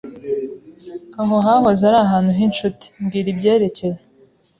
"Aha hahoze ari ahantu h'inshuti." "Mbwira ibyerekeye."